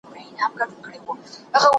ایمي وايي، غږ تل اورېده.